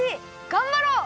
がんばろう！